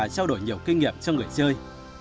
kinh nghiệm cho người chơi